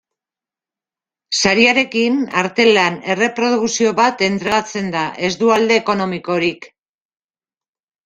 Sariarekin artelan-erreprodukzio bat entregatzen da, ez du alde ekonomikorik.